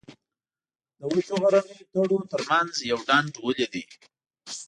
د وچو غرنیو تړو تر منځ یو ډنډ ولید.